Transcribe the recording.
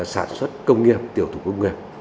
sản xuất công nghiệp tiểu thủ công nghiệp